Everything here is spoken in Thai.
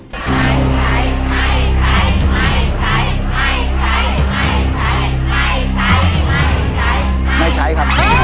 ใช้ใช้ไม่ใช้ไม่ใช้ไม่ใช้ไม่ใช้ไม่ใช้ไม่ใช้ไม่ใช้ครับ